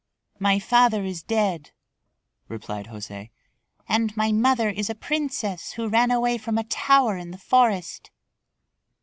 "My father is dead," replied José, "and my mother is a princess who ran away from a tower in the forest."